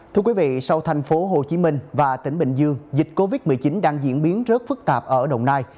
thưa quý vị sau thành phố hồ chí minh và tỉnh bình dương dịch covid một mươi chín đang diễn biến rất phức tạp ở đồng nai